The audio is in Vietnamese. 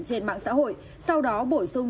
trên mạng xã hội sau đó bổ sung